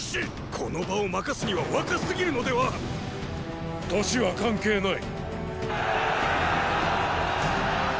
この場を任すには若すぎるのでは⁉年は関係ない！